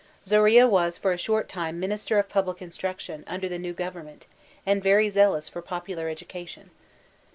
Zorilla was for a short time Minister of Public Instruction, under the new govern ment, and veiy zealous for popular education.